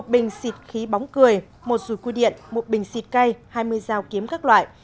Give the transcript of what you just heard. một bình xịt khí bóng cười một rùi quy điện một bình xịt cây hai mươi dao kiếm các loại